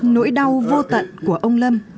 nói đau vô tận của ông lâm